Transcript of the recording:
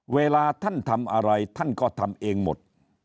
เวลาท่านทำอะไรท่านก็ทำเองหมด